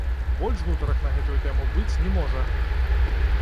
Больш гутарак на гэту тэму быць не можа!